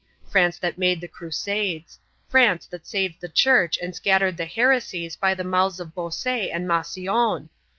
France that made the crusades. France that saved the Church and scattered the heresies by the mouths of Bossuet and Massillon.